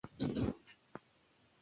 د ولس ملاتړ د مشروعیت د دوام ضامن دی